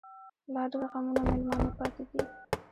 لا ډيـر غمـــــونه مېلـــمانه پــاتې دي